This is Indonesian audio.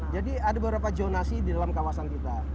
betul jadi ada beberapa zonasi di dalam kawasan kita